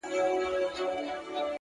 تمرکز ذهن واحد هدف ته بیایي!